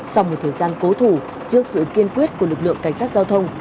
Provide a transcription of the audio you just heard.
sau một thời gian cố thủ trước sự kiên quyết của lực lượng cảnh sát giao thông